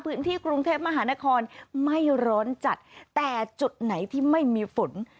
พื้นที่กรุงเทพมหานครไม่ร้อนจัดแต่จุดไหนที่ไม่มีฝน